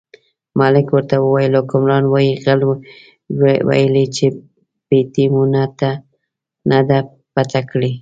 ملک ورته وویل حکمران وایي غل ویلي چې پېټۍ مو نه ده پټه کړې.